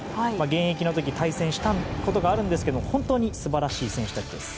現役の時対戦したことがあるんですが本当に素晴らしい選手たちです。